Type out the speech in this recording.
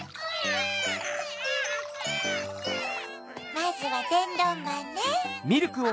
まずはてんどんまんね。